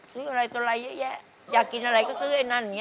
ซื้ออะไรตัวไรเยอะแยะอยากกินอะไรก็ซื้อไอ้นั่นอย่างนี้